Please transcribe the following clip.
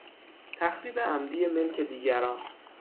تخریب عمدی ملک دیگران